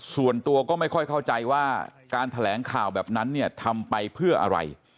ส่วนตัวก็ไม่ค่อยเข้าใจว่าการแถลงข่าวแบบนั้นเนี่ยทำไปเพื่ออะไร